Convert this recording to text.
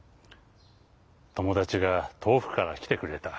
友だちが遠くから来てくれた。